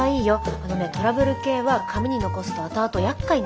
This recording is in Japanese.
あのねトラブル系は紙に残すとあとあとやっかいになるから。